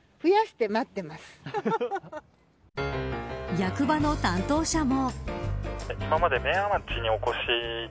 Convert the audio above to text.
役場の担当者も。